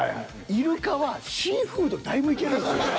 イルカはシーフードだいぶいけるんですよ。